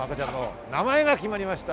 名前が決まりました。